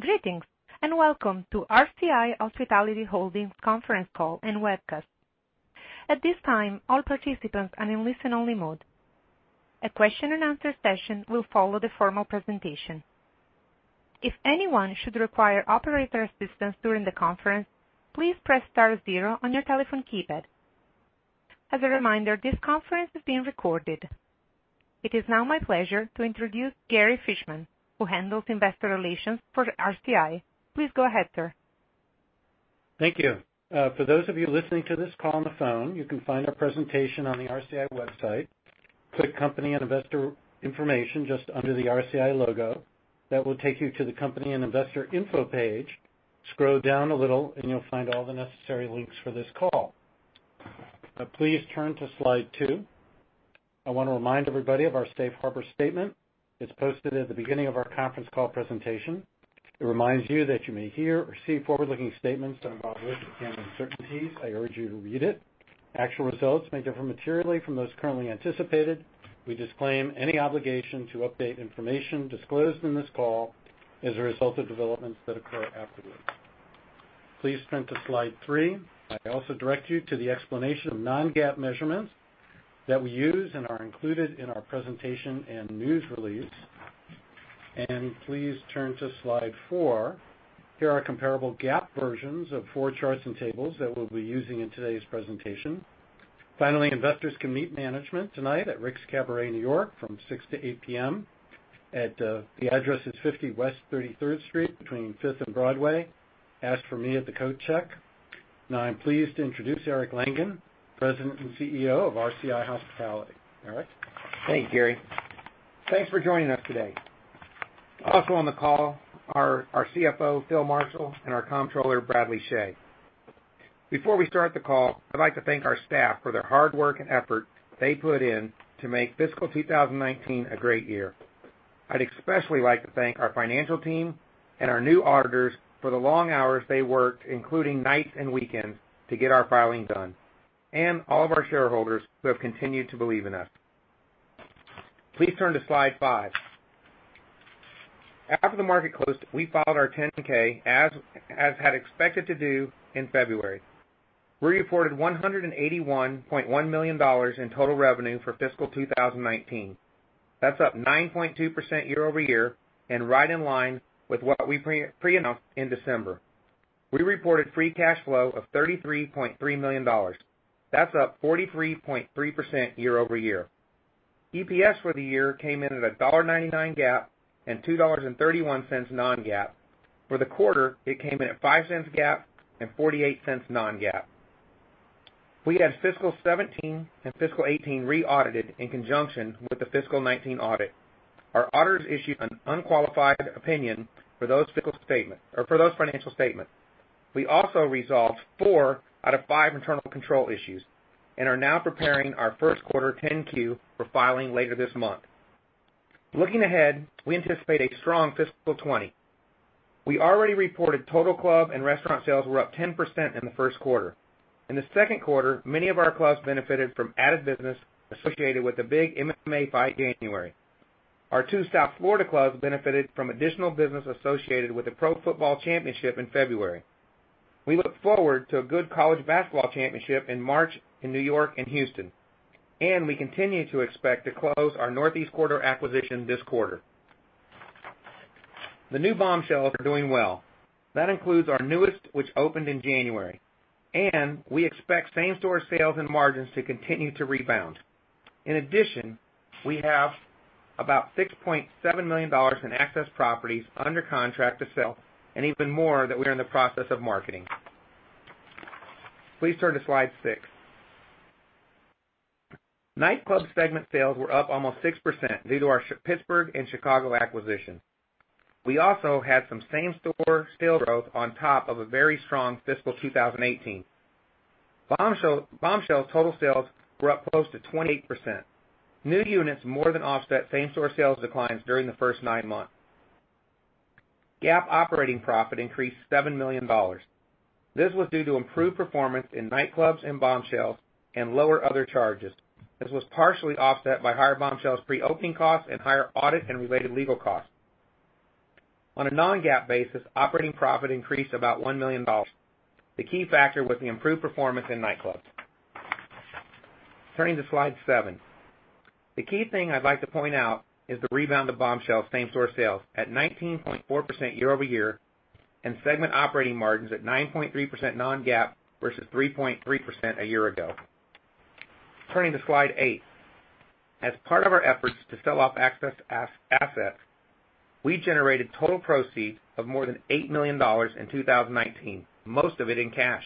Greetings, welcome to RCI Hospitality Holdings conference call and webcast. At this time, all participants are in listen only mode. A question and answer session will follow the formal presentation. If anyone should require operator assistance during the conference, please press star zero on your telephone keypad. As a reminder, this conference is being recorded. It is now my pleasure to introduce Gary Fishman, who handles investor relations for RCI. Please go ahead, sir. Thank you. For those of you listening to this call on the phone, you can find our presentation on the rci website. Click company and investor information just under the RCI logo. That will take you to the company and investor info page. Scroll down a little, and you'll find all the necessary links for this call. Please turn to slide two. I want to remind everybody of our safe harbor statement. It's posted at the beginning of our conference call presentation. It reminds you that you may hear or see forward-looking statements that involve risks and uncertainties. I urge you to read it. Actual results may differ materially from those currently anticipated. We disclaim any obligation to update information disclosed in this call as a result of developments that occur afterwards. Please turn to slide three. I also direct you to the explanation of non-GAAP measurements that we use and are included in our presentation and news release. Please turn to slide four. Here are comparable GAAP versions of four charts and tables that we'll be using in today's presentation. Finally, investors can meet management tonight at Rick's Cabaret, New York, from 6:00 P.M. to 8:00 P.M. The address is 50 West 33rd Street between 5th and Broadway. Ask for me at the coat check. Now I'm pleased to introduce Eric Langan, President and CEO of RCI Hospitality. Eric? Thank you, Gary. Thanks for joining us today. Also on the call are our CFO, Phil Marshall, and our Comptroller, Bradley Chhay. Before we start the call, I'd like to thank our staff for their hard work and effort they put in to make fiscal 2019 a great year. I'd especially like to thank our financial team and our new auditors for the long hours they worked, including nights and weekends, to get our filing done, and all of our shareholders who have continued to believe in us. Please turn to slide five. After the market closed, we filed our 10-K as had expected to do in February. We reported $181.1 million in total revenue for fiscal 2019. That's up 9.2% year-over-year and right in line with what we pre-announced in December. We reported free cash flow of $33.3 million. That's up 43.3% year-over-year. EPS for the year came in at $1.99 GAAP and $2.31 non-GAAP. For the quarter, it came in at $0.05 GAAP and $0.48 non-GAAP. We had fiscal 2017 and fiscal 2018 re-audited in conjunction with the fiscal 2019 audit. Our auditors issued an unqualified opinion for those financial statements. We also resolved four out of five internal control issues and are now preparing our first quarter 10-Q for filing later this month. Looking ahead, we anticipate a strong fiscal 2020. We already reported total club and restaurant sales were up 10% in the first quarter. In the second quarter, many of our clubs benefited from added business associated with the big MMA fight January. Our two South Florida clubs benefited from additional business associated with the pro football championship in February. We look forward to a good college basketball championship in March in New York and Houston, and we continue to expect to close our Northeast Corridor acquisition this quarter. The new Bombshells are doing well. That includes our newest, which opened in January. We expect same-store sales and margins to continue to rebound. In addition, we have about $6.7 million in excess properties under contract to sell and even more that we are in the process of marketing. Please turn to slide six. Nightclub segment sales were up almost 6% due to our Pittsburgh and Chicago acquisitions. We also had some same-store sales growth on top of a very strong fiscal 2018. Bombshells total sales were up close to 28%. New units more than offset same-store sales declines during the first nine months. GAAP operating profit increased $7 million. This was due to improved performance in nightclubs and Bombshells and lower other charges. This was partially offset by higher Bombshells pre-opening costs and higher audit and related legal costs. On a non-GAAP basis, operating profit increased about $1 million. The key factor was the improved performance in nightclubs. Turning to slide seven. The key thing I'd like to point out is the rebound of Bombshells same-store sales at 19.4% year-over-year and segment operating margins at 9.3% non-GAAP versus 3.3% a year ago. Turning to slide eight. As part of our efforts to sell off excess assets, we generated total proceeds of more than $8 million in 2019, most of it in cash.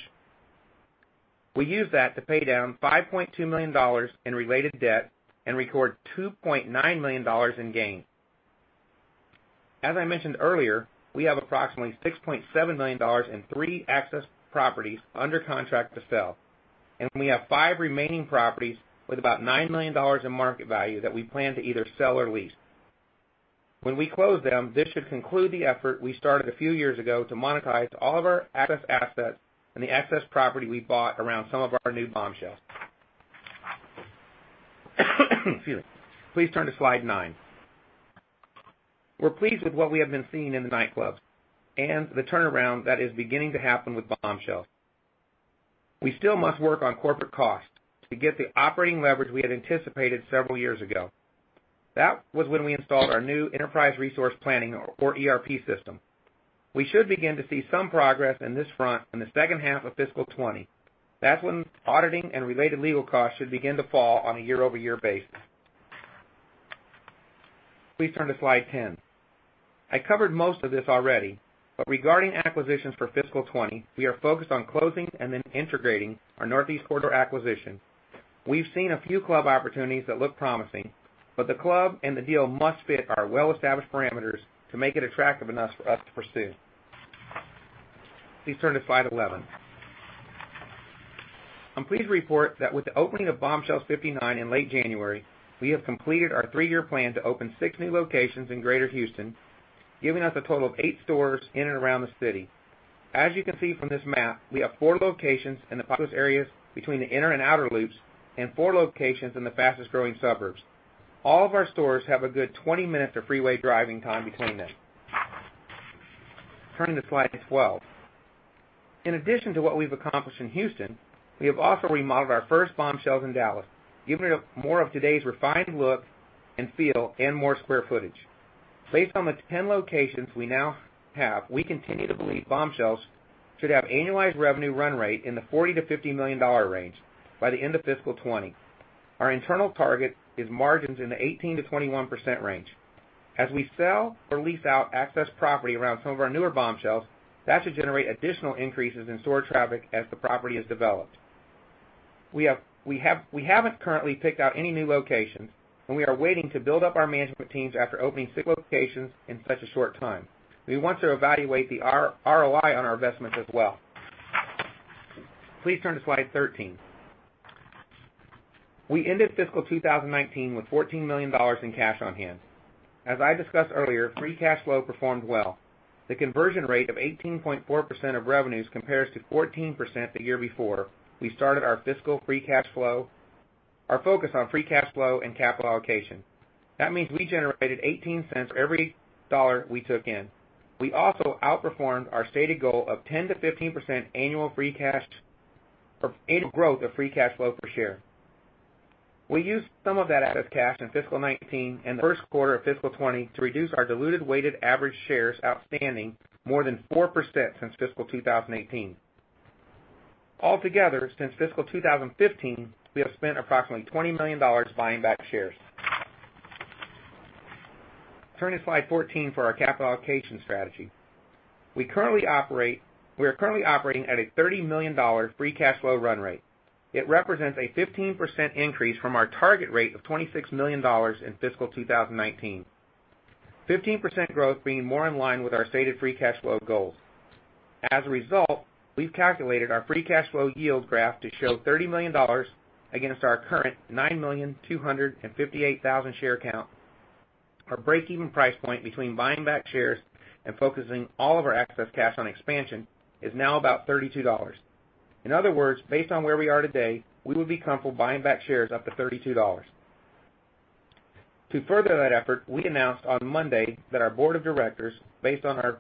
We used that to pay down $5.2 million in related debt and record $2.9 million in gains. As I mentioned earlier, we have approximately $6.7 million in three excess properties under contract to sell, and we have five remaining properties with about $9 million in market value that we plan to either sell or lease. When we close them, this should conclude the effort we started a few years ago to monetize all of our excess assets and the excess property we bought around some of our new Bombshells. Excuse me. Please turn to slide nine. We are pleased with what we have been seeing in the nightclubs and the turnaround that is beginning to happen with Bombshells. We still must work on corporate costs to get the operating leverage we had anticipated several years ago. That was when we installed our new enterprise resource planning or ERP system. We should begin to see some progress in this front in the second half of fiscal 2020. That's when auditing and related legal costs should begin to fall on a year-over-year basis. Please turn to slide 10. I covered most of this already, but regarding acquisitions for fiscal 2020, we are focused on closing and then integrating our Northeast Corridor acquisition. We've seen a few club opportunities that look promising, but the club and the deal must fit our well-established parameters to make it attractive enough for us to pursue. Please turn to slide 11. I'm pleased to report that with the opening of Bombshells 59 in late January, we have completed our 3-year plan to open six new locations in Greater Houston, giving us a total of eight stores in and around the city. As you can see from this map, we have four locations in the populous areas between the inner and outer loops and four locations in the fastest-growing suburbs. All of our stores have a good 20 minutes of freeway driving time between them. Turning to slide 12. In addition to what we've accomplished in Houston, we have also remodeled our first Bombshells in Dallas, giving it more of today's refined look and feel and more square footage. Based on the 10 locations we now have, we continue to believe Bombshells should have annualized revenue run rate in the $40 million-$50 million range by the end of fiscal 2020. Our internal target is margins in the 18%-21% range. As we sell or lease out excess property around some of our newer Bombshells, that should generate additional increases in store traffic as the property is developed. We haven't currently picked out any new locations, and we are waiting to build up our management teams after opening six locations in such a short time. We want to evaluate the ROI on our investments as well. Please turn to slide 13. We ended fiscal 2019 with $14 million in cash on hand. As I discussed earlier, free cash flow performed well. The conversion rate of 18.4% of revenues compares to 14% the year before we started our focus on free cash flow and capital allocation. That means we generated $0.18 for every $1 we took in. We also outperformed our stated goal of 10%-15% annual growth of free cash flow per share. We used some of that excess cash in fiscal 2019 and the first quarter of fiscal 2020 to reduce our diluted weighted average shares outstanding more than 4% since fiscal 2018. Altogether, since fiscal 2015, we have spent approximately $20 million buying back shares. Turn to slide 14 for our capital allocation strategy. We are currently operating at a $30 million free cash flow run rate. It represents a 15% increase from our target rate of $26 million in fiscal 2019. 15% growth being more in line with our stated free cash flow goals. As a result, we've calculated our free cash flow yield graph to show $30 million against our current 9,258,000 share count. Our break-even price point between buying back shares and focusing all of our excess cash on expansion is now about $32. In other words, based on where we are today, we would be comfortable buying back shares up to $32. To further that effort, we announced on Monday that our board of directors, based on our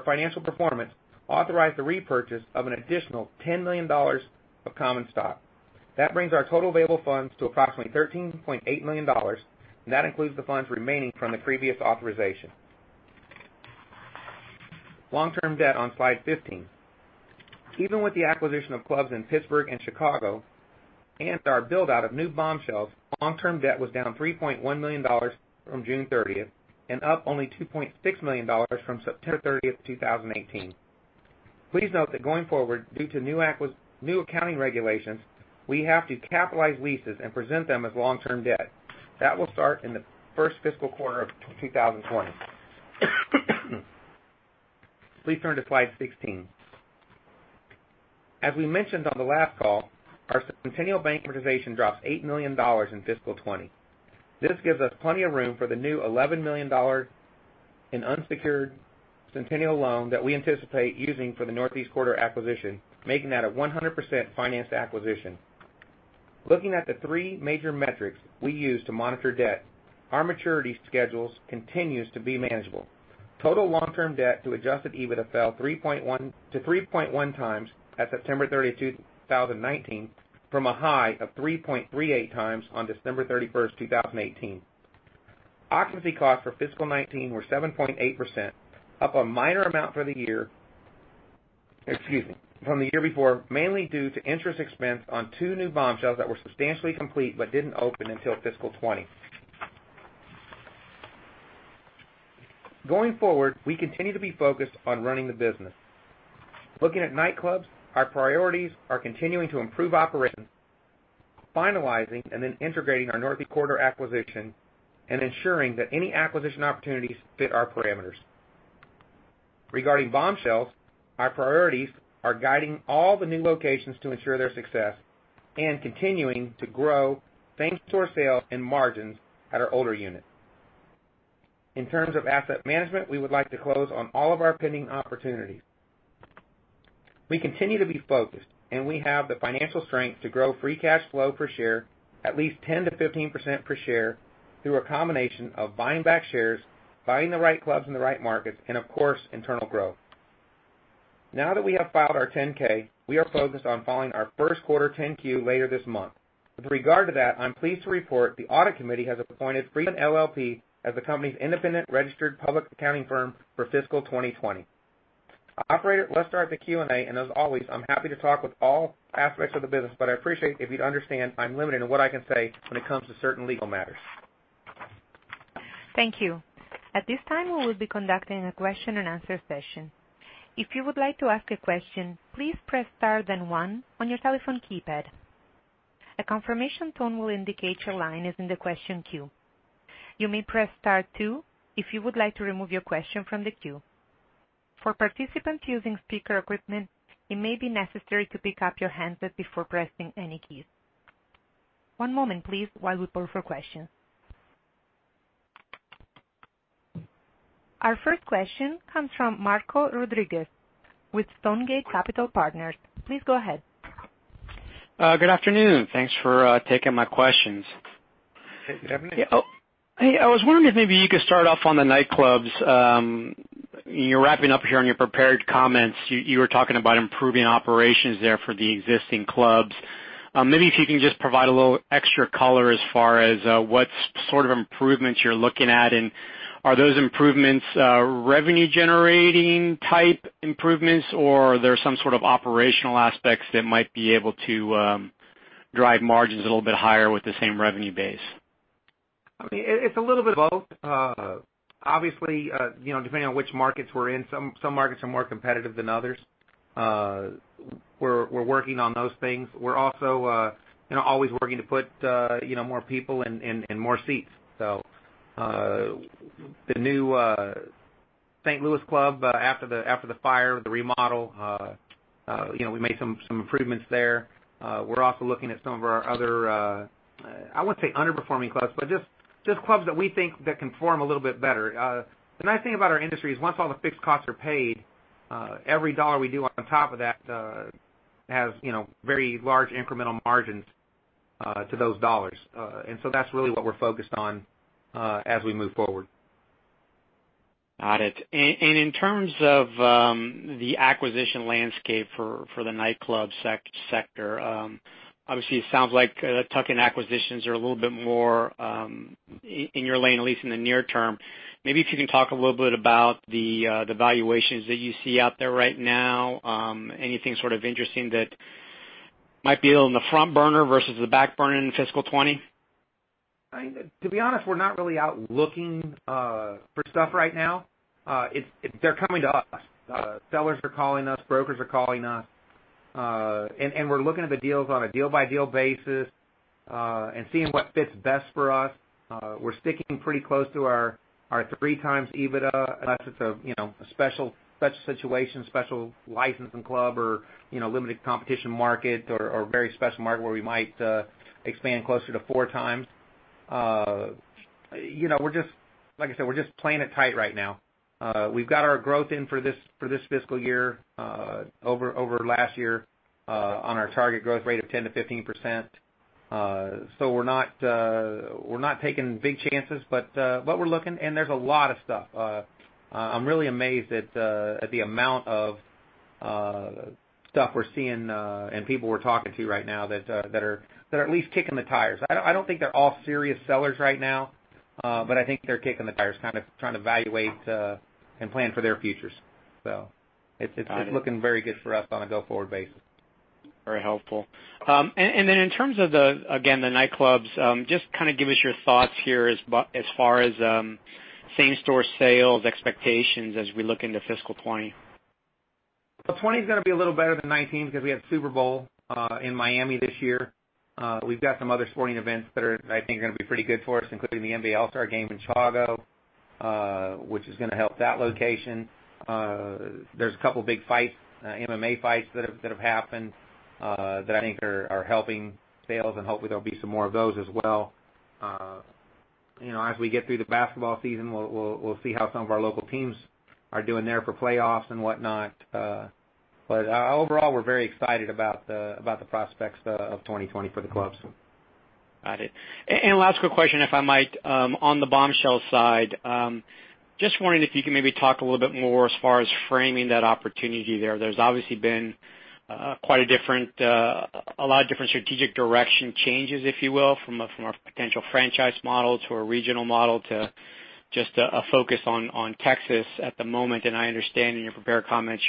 financial performance, authorized the repurchase of an additional $10 million of common stock. That brings our total available funds to approximately $13.8 million, and that includes the funds remaining from the previous authorization. Long-term debt on slide 15. Even with the acquisition of clubs in Pittsburgh and Chicago and our build-out of new Bombshells, long-term debt was down $3.1 million from June 30th and up only $2.6 million from September 30th, 2018. Please note that going forward, due to new accounting regulations, we have to capitalize leases and present them as long-term debt. That will start in the first fiscal quarter of 2020. Please turn to slide 16. As we mentioned on the last call, our Centennial Bank authorization drops $8 million in fiscal 2020. This gives us plenty of room for the new $11 million in unsecured Centennial loan that we anticipate using for the Northeast Corridor acquisition, making that a 100% financed acquisition. Looking at the three major metrics we use to monitor debt, our maturity schedules continues to be manageable. Total long-term debt to adjusted EBITDA fell 3.1 to 3.1 times at September 30th, 2019, from a high of 3.38 times on December 31st, 2018. Occupancy costs for fiscal 2019 were 7.8%, up a minor amount from the year before, mainly due to interest expense on two new Bombshells that were substantially complete but didn't open until fiscal 2020. Going forward, we continue to be focused on running the business. Looking at nightclubs, our priorities are continuing to improve operations, finalizing and then integrating our Northeast Corridor acquisition, and ensuring that any acquisition opportunities fit our parameters. Regarding Bombshells, our priorities are guiding all the new locations to ensure their success and continuing to grow same-store sales and margins at our older units. In terms of asset management, we would like to close on all of our pending opportunities. We continue to be focused, and we have the financial strength to grow free cash flow per share at least 10%-15% per share through a combination of buying back shares, buying the right clubs in the right markets, and of course, internal growth. Now that we have filed our 10-K, we are focused on filing our first quarter 10-Q later this month. With regard to that, I'm pleased to report the audit committee has appointed Friedman LLP as the company's independent registered public accounting firm for fiscal 2020. Operator, let's start the Q&A, and as always, I'm happy to talk with all aspects of the business, but I appreciate if you'd understand I'm limited in what I can say when it comes to certain legal matters. Thank you. At this time, we will be conducting a question and answer session. If you would like to ask a question, please press star then one on your telephone keypad. A confirmation tone will indicate your line is in the question queue. You may press star two if you would like to remove your question from the queue. For participants using speaker equipment, it may be necessary to pick up your handset before pressing any keys. One moment, please, while we pull for questions. Our first question comes from Marco Rodriguez with Stonegate Capital Partners. Please go ahead. Good afternoon. Thanks for taking my questions. Hey, good afternoon. Hey, I was wondering if maybe you could start off on the nightclubs? You're wrapping up here on your prepared comments. You were talking about improving operations there for the existing clubs. Maybe if you can just provide a little extra color as far as what sort of improvements you're looking at, and are those improvements revenue-generating type improvements, or are there some sort of operational aspects that might be able to drive margins a little bit higher with the same revenue base? It's a little bit of both. Obviously, depending on which markets we're in, some markets are more competitive than others. We're working on those things. We're also always working to put more people in more seats. The new St. Louis club after the fire, the remodel, we made some improvements there. We're also looking at some of our other, I wouldn't say underperforming clubs, but just clubs that we think that can perform a little bit better. The nice thing about our industry is once all the fixed costs are paid, every dollar we do on top of that has very large incremental margins to those dollars. That's really what we're focused on as we move forward. Got it. In terms of the acquisition landscape for the nightclub sector, obviously, it sounds like tuck-in acquisitions are a little bit more in your lane, at least in the near term. Maybe if you can talk a little bit about the valuations that you see out there right now. Anything sort of interesting that might be on the front burner versus the back burner in fiscal 2020? To be honest, we're not really out looking for stuff right now. They're coming to us. Sellers are calling us, brokers are calling us, and we're looking at the deals on a deal-by-deal basis and seeing what fits best for us. We're sticking pretty close to our 3x EBITDA, unless it's a special situation, special licensing club or limited competition market or a very special market where we might expand closer to 4x. Like I said, we're just playing it tight right now. We've got our growth in for this fiscal year, over last year, on our target growth rate of 10%-15%. We're not taking big chances, but we're looking, and there's a lot of stuff. I'm really amazed at the amount of stuff we're seeing and people we're talking to right now that are at least kicking the tires. I don't think they're all serious sellers right now, but I think they're kicking the tires, kind of trying to evaluate and plan for their futures. It's looking very good for us on a go-forward basis. Very helpful. In terms of, again, the nightclubs, just kind of give us your thoughts here as far as same-store sales expectations as we look into fiscal 2020. Well, 2020's going to be a little better than 2019 because we have Super Bowl in Miami this year. We've got some other sporting events that I think are going to be pretty good for us, including the NBA All-Star Game in Chicago, which is going to help that location. There's a couple of big fights, MMA fights, that have happened that I think are helping sales, and hopefully, there'll be some more of those as well. As we get through the basketball season, we'll see how some of our local teams are doing there for playoffs and whatnot. Overall, we're very excited about the prospects of 2020 for the clubs. Got it. Last quick question, if I might. On the Bombshells side, just wondering if you can maybe talk a little bit more as far as framing that opportunity there. There's obviously been a lot of different strategic direction changes, if you will, from a potential franchise model to a regional model to just a focus on Texas at the moment. I understand in your prepared comments,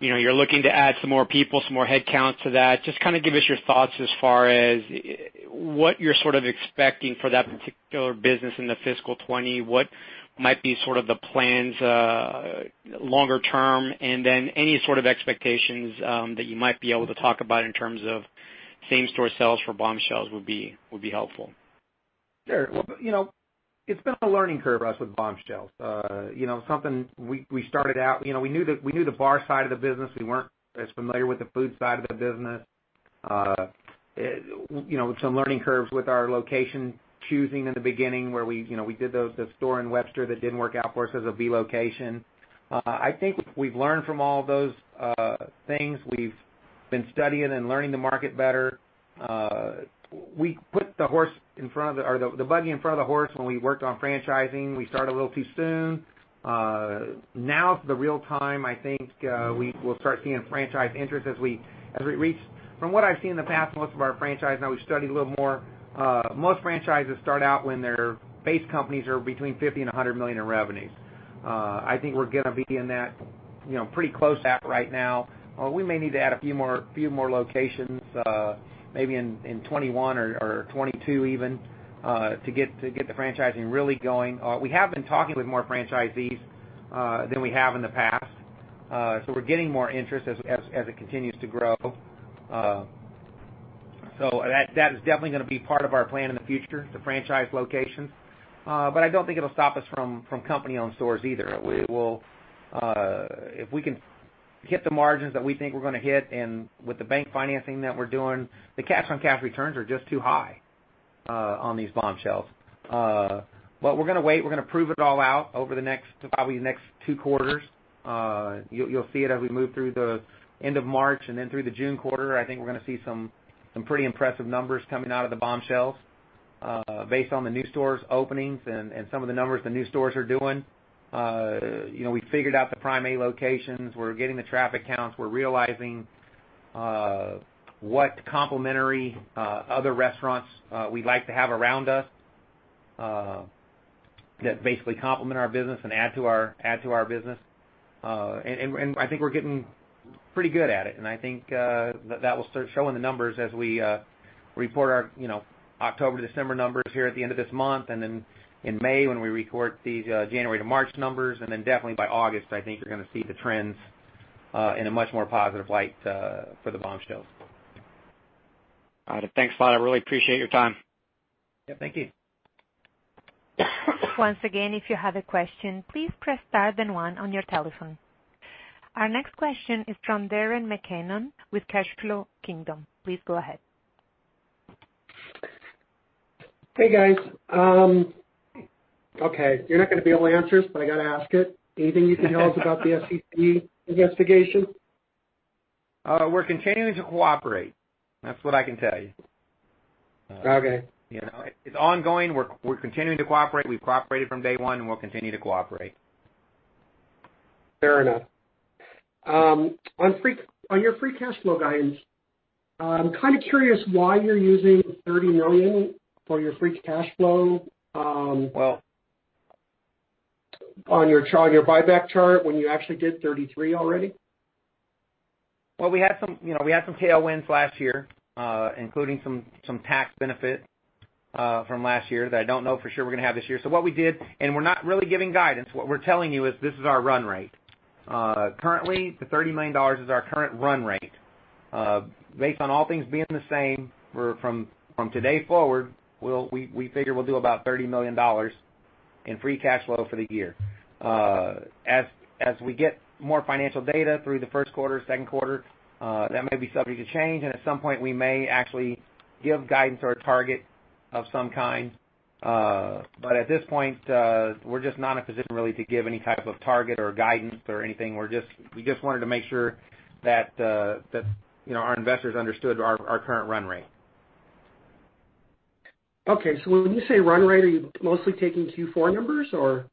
you're looking to add some more people, some more headcounts to that. Just kind of give us your thoughts as far as what you're sort of expecting for that particular business in the fiscal 2020. What might be sort of the plans longer term, and then any sort of expectations that you might be able to talk about in terms of same-store sales for Bombshells would be helpful. Sure. It's been a learning curve for us with Bombshells. We started out, we knew the bar side of the business. We weren't as familiar with the food side of the business. With some learning curves with our location choosing in the beginning where we did the store in Webster that didn't work out for us as a V location. I think we've learned from all those things. We've been studying and learning the market better. We put the buggy in front of the horse when we worked on franchising. We started a little too soon. Now is the real time, I think, we'll start seeing franchise interest as we reach. From what I've seen in the past, most of our franchise, now we've studied a little more. Most franchises start out when their base companies are between $50 million and $100 million in revenues. I think we're going to be in that, pretty close to that right now. We may need to add a few more locations, maybe in 2021 or 2022 even, to get the franchising really going. We have been talking with more franchisees, than we have in the past. We're getting more interest as it continues to grow. That is definitely going to be part of our plan in the future, the franchise location. I don't think it'll stop us from company-owned stores either. If we can hit the margins that we think we're going to hit, and with the bank financing that we're doing, the cash-on-cash returns are just too high on these Bombshells. We're going to wait. We're going to prove it all out over probably the next two quarters. You'll see it as we move through the end of March and then through the June quarter. I think we're going to see some pretty impressive numbers coming out of the Bombshells, based on the new stores openings and some of the numbers the new stores are doing. We figured out the prime A locations. We're getting the traffic counts. We're realizing what complementary other restaurants we'd like to have around us, that basically complement our business and add to our business. I think we're getting pretty good at it, and I think that will start showing the numbers as we report our October, December numbers here at the end of this month. Then in May, when we report the January to March numbers, and then definitely by August, I think you're going to see the trends in a much more positive light for the Bombshells. All right. Thanks a lot. I really appreciate your time. Yeah, thank you. Once again, if you have a question, please press star then one on your telephone. Our next question is from Darren McCammon with Cash Flow Kingdom. Please go ahead. Hey, guys. Okay, you're not going to be able to answer this, but I got to ask it. Anything you can tell us about the SEC investigation? We're continuing to cooperate. That's what I can tell you. Okay. It's ongoing. We're continuing to cooperate. We've cooperated from day one. We'll continue to cooperate. Fair enough. On your free cash flow guidance, I'm kind of curious why you're using $30 million for your free cash flow. Well on your buyback chart when you actually did 33 already. Well, we had some tailwinds last year, including some tax benefit from last year that I don't know for sure we're going to have this year. What we did, and we're not really giving guidance, what we're telling you is this is our run rate. Currently, the $30 million is our current run rate. Based on all things being the same from today forward, we figure we'll do about $30 million in free cash flow for the year. As we get more financial data through the first quarter, second quarter, that may be subject to change, and at some point, we may actually give guidance or a target of some kind. At this point, we're just not in a position, really, to give any type of target or guidance or anything. We just wanted to make sure that our investors understood our current run rate. Okay. When you say run rate, are you mostly taking Q4 numbers or?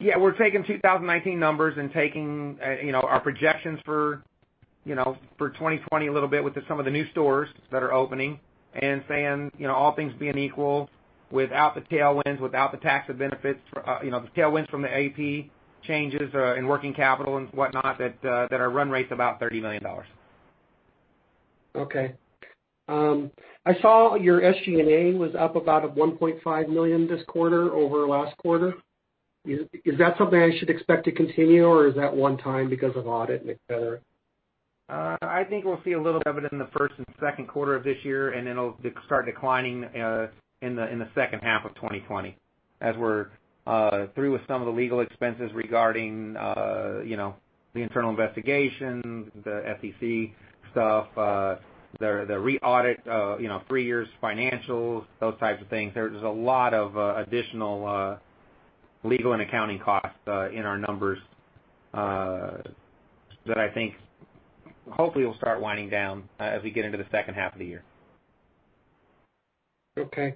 Yeah, we're taking 2019 numbers and taking our projections for 2020 a little bit with some of the new stores that are opening and saying, all things being equal, without the tailwinds, without the tax benefits, the tailwinds from the AP changes in working capital and whatnot, that our run rate's about $30 million. Okay. I saw your SG&A was up about $1.5 million this quarter over last quarter. Is that something I should expect to continue, or is that one time because of audit and et cetera? I think we'll see a little of it in the first and second quarter of this year, it'll start declining in the second half of 2020 as we're through with some of the legal expenses regarding the internal investigation, the SEC stuff, the re-audit, three years financials, those types of things. There's a lot of additional legal and accounting costs in our numbers, that I think hopefully will start winding down as we get into the second half of the year. Okay.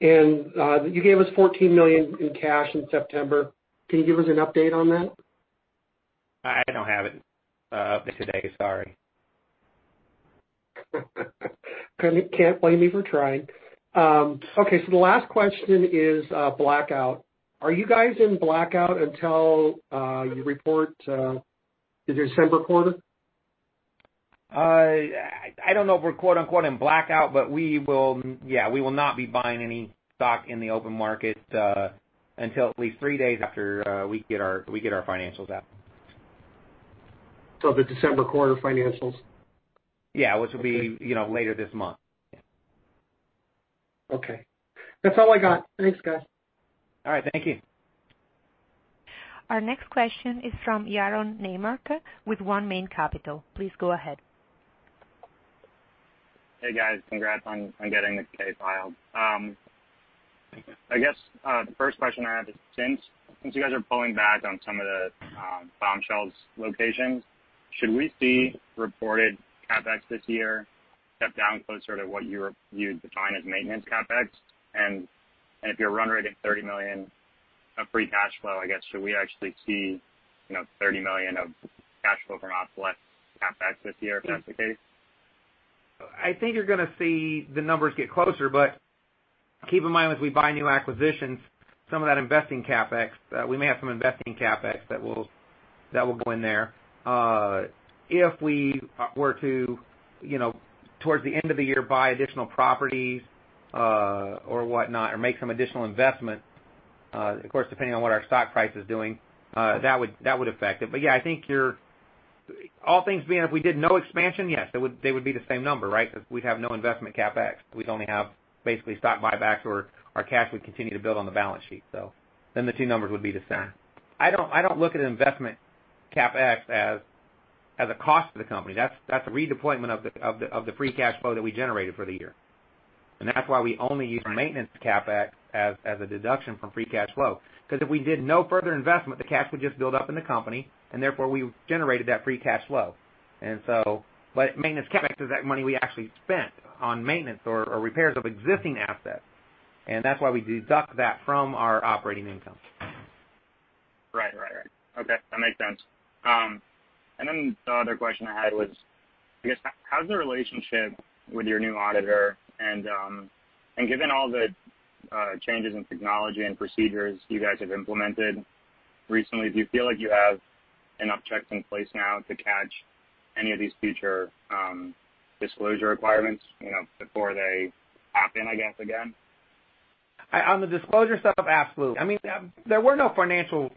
You gave us $14 million in cash in September. Can you give us an update on that? I don't have it up today. Sorry. Can't blame me for trying. Okay, the last question is blackout. Are you guys in blackout until you report the December quarter? I don't know if we're, quote-unquote, "in blackout," but we will not be buying any stock in the open market until at least three days after we get our financials out. The December quarter financials? Yeah, which will be later this month. Okay. That's all I got. Thanks, guys. All right. Thank you. Our next question is from Yaron Naymark with 1 Main Capital. Please go ahead. Hey, guys. Congrats on getting the K filed. Thank you. I guess, the first question I have is, since you guys are pulling back on some of the Bombshells locations, should we see reported CapEx this year step down closer to what you'd define as maintenance CapEx? If you're run rating $30 million of free cash flow, I guess, should we actually see $30 million of cash flow from ops less CapEx this year, if that's the case? I think you're going to see the numbers get closer, but keep in mind, as we buy new acquisitions, some of that investing CapEx, we may have some investing CapEx that will go in there. If we were to, towards the end of the year, buy additional properties, or whatnot, or make some additional investment, of course, depending on what our stock price is doing, that would affect it. Yeah, I think all things being, if we did no expansion, yes, they would be the same number, right? We'd have no investment CapEx. We'd only have basically stock buybacks or our cash would continue to build on the balance sheet. The two numbers would be the same. I don't look at investment CapEx as a cost to the company. That's a redeployment of the free cash flow that we generated for the year. That's why we only use maintenance CapEx as a deduction from free cash flow. If we did no further investment, the cash would just build up in the company, and therefore, we generated that free cash flow. Maintenance CapEx is that money we actually spent on maintenance or repairs of existing assets, and that's why we deduct that from our operating income. Right. Okay. That makes sense. The other question I had was, I guess how's the relationship with your new auditor and, given all the changes in technology and procedures you guys have implemented recently, do you feel like you have enough checks in place now to catch any of these future disclosure requirements before they happen, I guess, again? On the disclosure stuff, absolutely. There were no financial,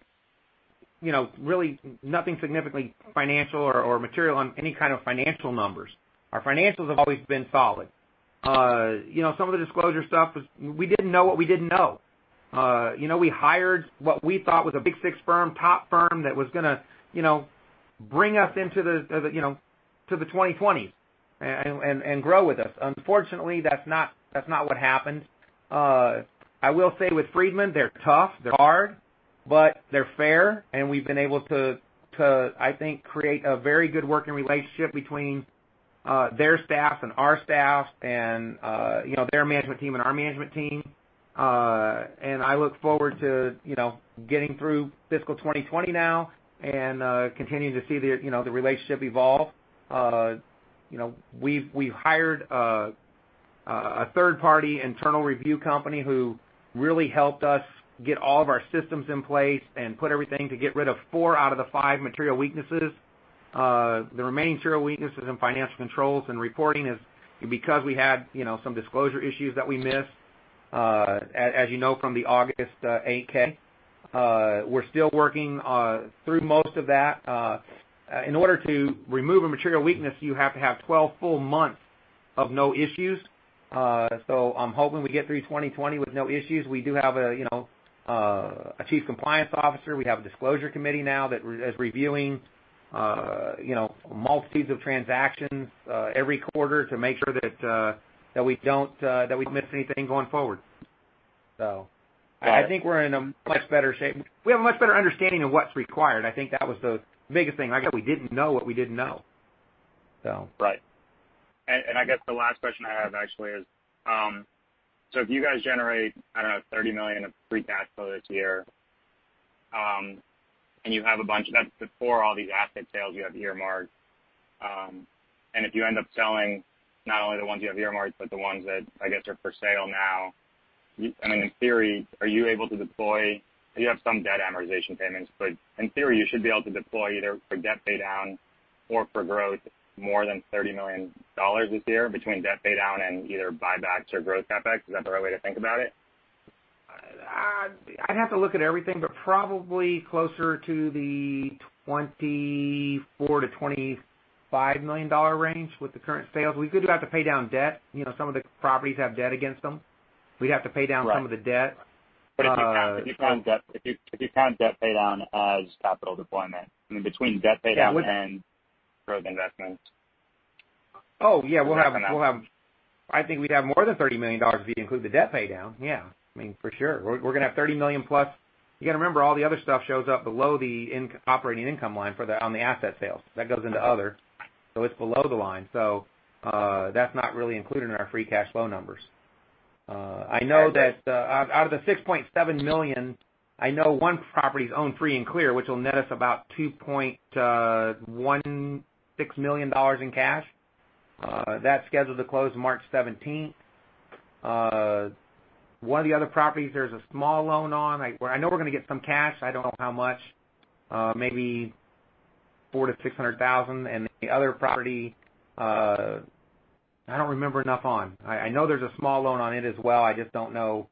really nothing significantly financial or material on any kind of financial numbers. Our financials have always been solid. Some of the disclosure stuff was, we didn't know what we didn't know. We hired what we thought was a Big Four firm, top firm that was going to bring us into the 2020s and grow with us. Unfortunately, that's not what happened. I will say with Friedman, they're tough, they're hard, but they're fair, and we've been able to, I think, create a very good working relationship between their staff and our staff and their management team and our management team. I look forward to getting through fiscal 2020 now and continuing to see the relationship evolve. We've hired a third-party internal review company who really helped us get all of our systems in place and put everything to get rid of four out of the five material weaknesses. The remaining material weaknesses in financial controls and reporting is because we had some disclosure issues that we missed, as you know, from the August 8-K. We're still working through most of that. In order to remove a material weakness, you have to have 12 full months of no issues. I'm hoping we get through 2020 with no issues. We do have a chief compliance officer. We have a disclosure committee now that is reviewing multitudes of transactions every quarter to make sure that we don't miss anything going forward. I think we're in a much better shape. We have a much better understanding of what's required. I think that was the biggest thing. I guess we didn't know what we didn't know. Right. I guess the last question I have actually is, if you guys generate, I don't know, $30 million of free cash flow this year, that's before all these asset sales you have earmarked. If you end up selling not only the ones you have earmarked, but the ones that I guess are for sale now, I mean, in theory, are you able to deploy You have some debt amortization payments, but in theory, you should be able to deploy either for debt paydown or for growth more than $30 million this year between debt paydown and either buybacks or growth CapEx. Is that the right way to think about it? I'd have to look at everything, but probably closer to the $24 million-$25 million range with the current sales. We do have to pay down debt. Some of the properties have debt against them. We'd have to pay down some of the debt. Right. If you count debt paydown as capital deployment, I mean, between debt paydown and growth investments. Oh, yeah. I think we'd have more than $30 million if you include the debt paydown. Yeah. I mean, for sure. We're going to have $30 million plus. You've got to remember, all the other stuff shows up below the operating income line on the asset sales. That goes into other, so it's below the line. That's not really included in our free cash flow numbers. I know that out of the $6.7 million, I know one property is owned free and clear, which will net us about $2.16 million in cash. That's scheduled to close March 17th. One of the other properties, there's a small loan on. I know we're going to get some cash. I don't know how much. Maybe $400,000-$600,000. The other property, I don't remember enough on. I know there's a small loan on it as well. I just don't know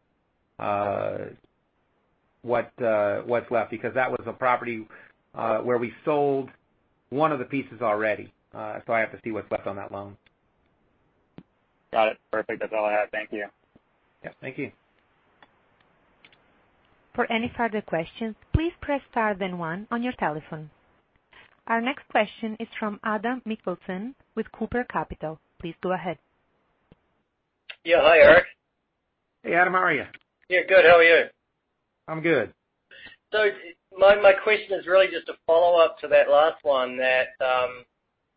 what's left, because that was a property where we sold one of the pieces already. I have to see what's left on that loan. Got it. Perfect. That's all I had. Thank you. Yeah, thank you. For any further questions, please press star then one on your telephone. Our next question is from Adam Mikkelsen with Cooper Capital. Please go ahead. Yeah. Hi, Eric. Hey, Adam. How are you? Yeah, good. How are you? I'm good. My question is really just a follow-up to that last one that,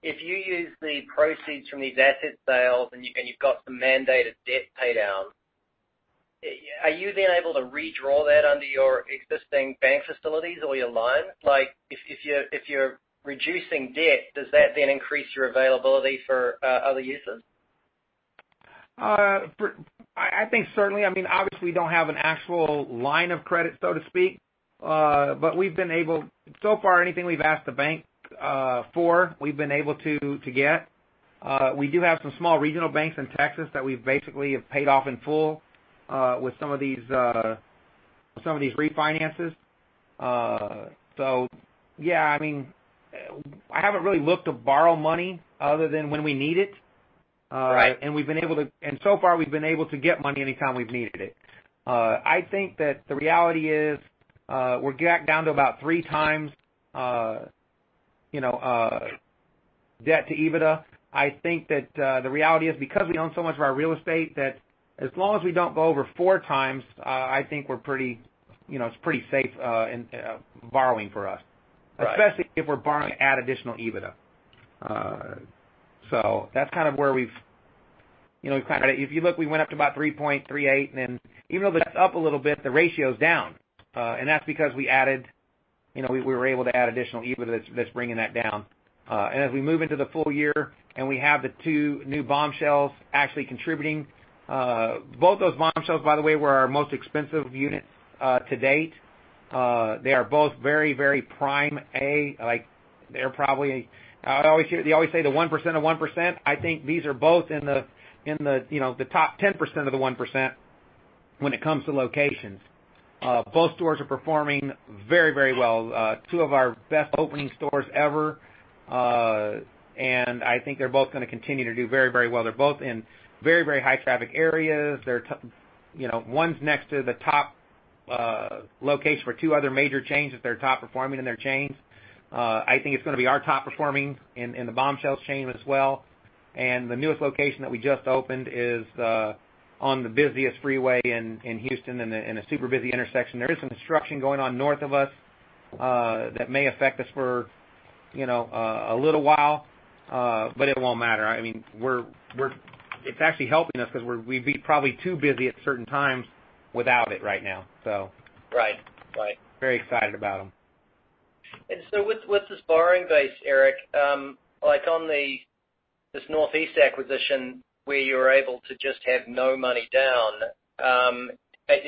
if you use the proceeds from these asset sales and you've got some mandated debt pay down, are you then able to redraw that under your existing bank facilities or your line? Like, if you're reducing debt, does that then increase your availability for other uses? I think certainly. Obviously, we don't have an actual line of credit, so to speak. We've been able So far, anything we've asked the bank for, we've been able to get. We do have some small regional banks in Texas that we basically have paid off in full with some of these refinances. Yeah, I haven't really looked to borrow money other than when we need it. Right. So far, we've been able to get money anytime we've needed it. I think that the reality is, we're back down to about three times, debt to EBITDA. I think that the reality is because we own so much of our real estate that as long as we don't go over four times, I think it's pretty safe borrowing for us. Right. Especially if we're borrowing to add additional EBITDA. That's kind of where we've kind of, if you look, we went up to about 3.38, and then even though that's up a little bit, the ratio's down. That's because we were able to add additional EBITDA that's bringing that down. As we move into the full year and we have the two new Bombshells actually contributing, both those Bombshells, by the way, were our most expensive units to date. They are both very Prime A. They always say the 1% of 1%. I think these are both in the top 10% of the 1% when it comes to locations. Both stores are performing very well. Two of our best opening stores ever. I think they're both going to continue to do very well. They're both in very high traffic areas. One's next to the top location for two other major chains that they're top performing in their chains. I think it's going to be our top performing in the Bombshells chain as well. The newest location that we just opened is on the busiest freeway in Houston in a super busy intersection. There is some construction going on north of us, that may affect us for a little while, but it won't matter. It's actually helping us because we'd be probably too busy at certain times without it right now. Right. Very excited about them. With this borrowing base, Eric, like on this Northeast Corridor acquisition where you're able to just have no money down,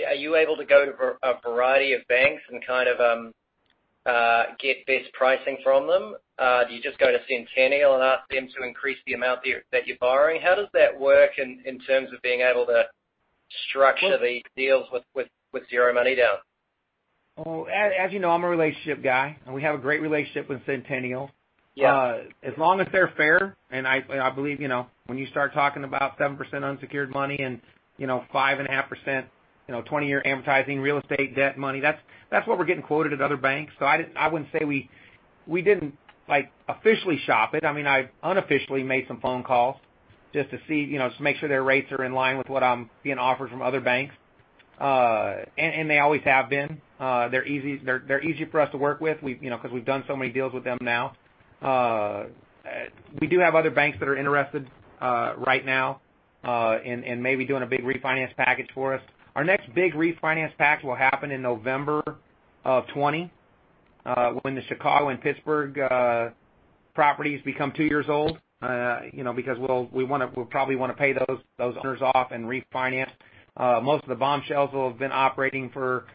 are you able to go to a variety of banks and kind of get best pricing from them? Do you just go to Centennial Bank and ask them to increase the amount that you're borrowing? How does that work in terms of being able to structure these deals with zero money down? As you know, I'm a relationship guy, and we have a great relationship with Centennial. Yeah. As long as they're fair, and I believe, when you start talking about 7% unsecured money and, 5.5%, 20-year amortizing real estate debt money, that's what we're getting quoted at other banks. I wouldn't say we didn't officially shop it. I unofficially made some phone calls just to see, to make sure their rates are in line with what I'm being offered from other banks. They always have been. They're easy for us to work with because we've done so many deals with them now. We do have other banks that are interested right now, in maybe doing a big refinance package for us. Our next big refinance pack will happen in November of 2020, when the Chicago and Pittsburgh properties become two years old, because we'll probably want to pay those owners off and refinance. Most of the Bombshells will have been operating for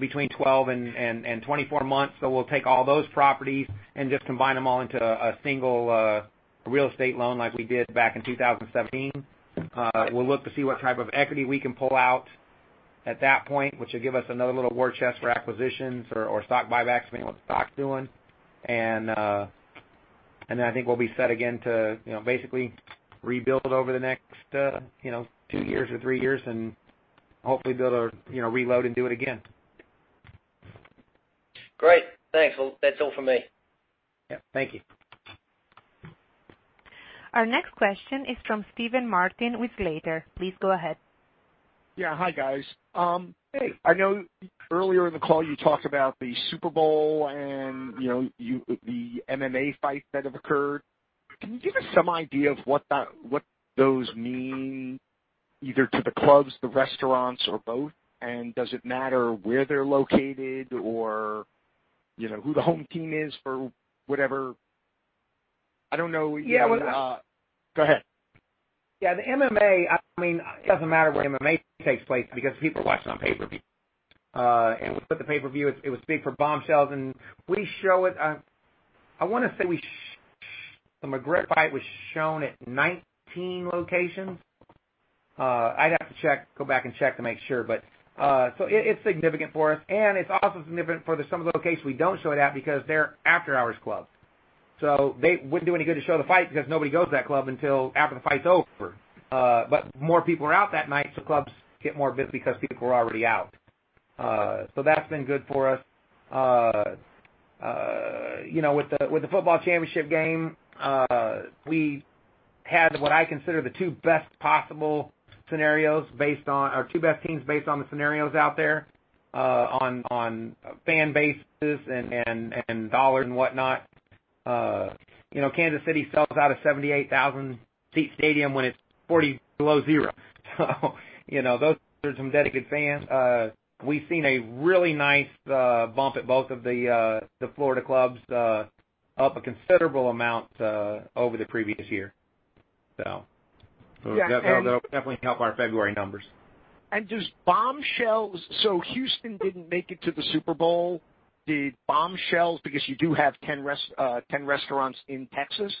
between 12 and 24 months. We'll take all those properties and just combine them all into a single real estate loan like we did back in 2017. We'll look to see what type of equity we can pull out at that point, which will give us another little war chest for acquisitions or stock buybacks, depending on what the stock's doing. I think we'll be set again to basically rebuild over the next two years or three years and hopefully be able to reload and do it again. Great. Thanks. Well, that's all for me. Yeah. Thank you. Our next question is from Steven Martin with Slater. Please go ahead. Yeah. Hi, guys. Hey. I know earlier in the call you talked about the Super Bowl and the MMA fights that have occurred. Can you give us some idea of what those mean, either to the clubs, the restaurants, or both? Does it matter where they're located or who the home team is for whatever? Yeah, well- Go ahead. Yeah, the MMA, it doesn't matter where MMA takes place because people are watching on pay-per-view. With the pay-per-view, it was big for Bombshells, and we show it, I want to say The McGregor fight was shown at 19 locations. I'd have to go back and check to make sure. It's significant for us, and it's also significant for some of the locations we don't show it at because they're after-hours clubs. It wouldn't do any good to show the fight because nobody goes to that club until after the fight's over. More people are out that night, so clubs get more busy because people are already out. That's been good for us. With the football championship game, we had what I consider the two best teams based on the scenarios out there, on fan bases and dollars and whatnot. Kansas City sells out a 78,000 seat stadium when it's 40 below zero. Those are some dedicated fans. We've seen a really nice bump at both of the Florida clubs, up a considerable amount over the previous year. That'll definitely help our February numbers. Does Bombshells, so Houston didn't make it to the Super Bowl. Did Bombshells, because you do have 10 restaurants in Texas,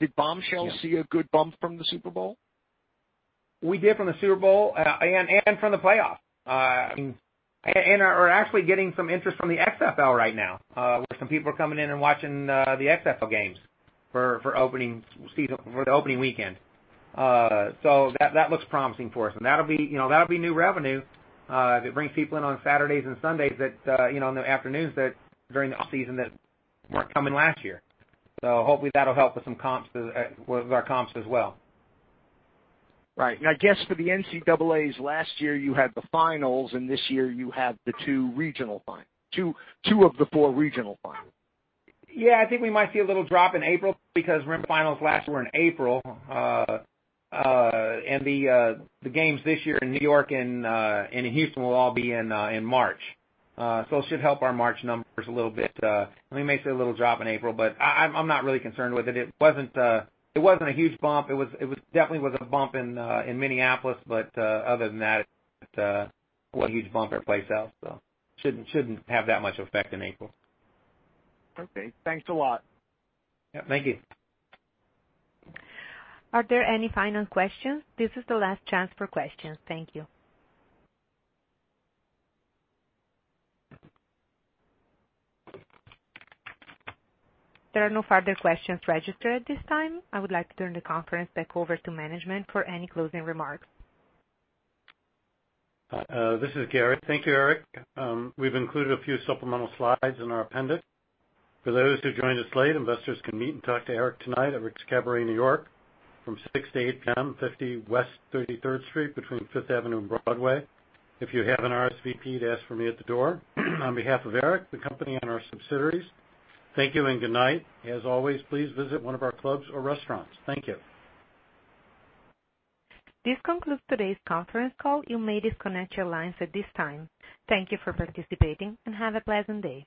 did Bombshells see a good bump from the Super Bowl? We did from the Super Bowl and from the playoff. Are actually getting some interest from the XFL right now, where some people are coming in and watching the XFL games for the opening weekend. That looks promising for us, and that'll be new revenue if it brings people in on Saturdays and Sundays on the afternoons during the off-season that weren't coming last year. Hopefully that'll help with our comps as well. Right. I guess for the NCAA, last year you had the finals, and this year you have two of the four regional finals. Yeah, I think we might see a little drop in April because remember, the finals last year were in April. The games this year in New York and in Houston will all be in March. It should help our March numbers a little bit. It may see a little drop in April, but I'm not really concerned with it. It wasn't a huge bump. It definitely was a bump in Minneapolis, but other than that, it wasn't a huge bump at our place else, so shouldn't have that much effect in April. Okay. Thanks a lot. Yeah, thank you. Are there any final questions? This is the last chance for questions. Thank you. There are no further questions registered at this time. I would like to turn the conference back over to management for any closing remarks. This is Gary. Thank you, Eric. We've included a few supplemental slides in our appendix. For those who joined us late, investors can meet and talk to Eric tonight at Rick's Cabaret, N.Y., from 6:00 P.M. to 8:00 P.M., 50 West 33rd Street between Fifth Avenue and Broadway. If you have an RSVP, just ask for me at the door. On behalf of Eric, the company, and our subsidiaries, thank you and good night. As always, please visit one of our clubs or restaurants. Thank you. This concludes today's conference call. You may disconnect your lines at this time. Thank you for participating, and have a pleasant day.